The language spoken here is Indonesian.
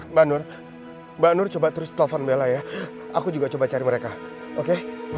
mbak nur mbak nur coba terus telepon bella ya aku juga coba cari mereka oke